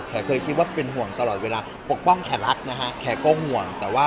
เคยคิดว่าเป็นห่วงตลอดเวลาปกป้องแขกรักนะฮะแขกก็ห่วงแต่ว่า